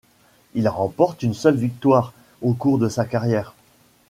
Il remporte une seule victoire au cours de sa carrière.